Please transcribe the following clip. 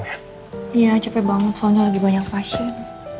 iya capek banget soalnya lagi banyak fashion